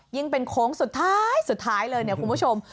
ยิ่งเป็นโค้งสุดท้ายสุดท้ายเลยเนี่ยคุณผู้ชม